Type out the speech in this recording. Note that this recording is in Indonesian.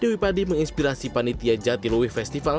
dewi padi menginspirasi panitia jatiluwe festival